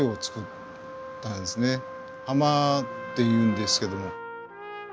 「ハマ」って言うんですけども。